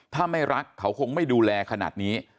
ถ้าไม่รักเขาคงไม่ดูแลขนาดนี้